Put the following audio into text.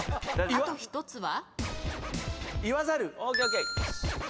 あと１つは？